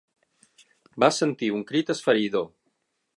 Va sentir un crit esfereïdor